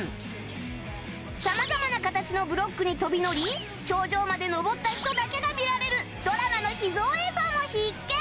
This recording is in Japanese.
様々な形のブロックに飛び乗り頂上まで登った人だけが見られるドラマの秘蔵映像も必見！